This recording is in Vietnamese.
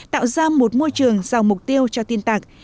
tạo ra một môi trường giàu mục tiêu cho tin tạc